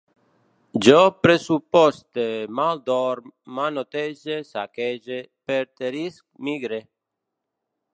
Jo pressuposte, maldorm, manotege, saquege, perterisc, migre